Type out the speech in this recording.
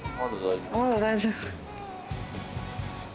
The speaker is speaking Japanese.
まだ大丈夫。